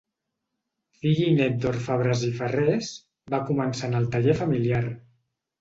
Fill i nét d'orfebres i ferrers va començar en el taller familiar.